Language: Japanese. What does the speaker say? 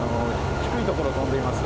低いところを飛んでいます。